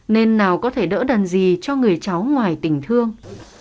nên nào có thể đỡ đằn gì cho người cháu ngoài tình thương